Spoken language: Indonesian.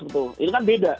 itu kan beda